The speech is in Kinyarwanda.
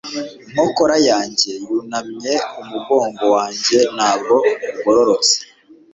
Inkokora yanjye yunamye umugongo wanjye ntabwo ugororotse